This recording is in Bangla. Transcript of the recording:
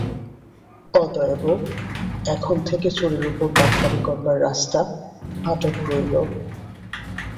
অতএব এখন থেকে চুরির উপর বাটপাড়ি করবার রাস্তা আটক রইল।